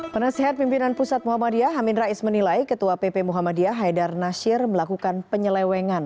penasehat pimpinan pusat muhammadiyah amin rais menilai ketua pp muhammadiyah haidar nasir melakukan penyelewengan